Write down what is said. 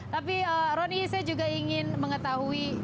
tapi roni saya juga ingin mengetahui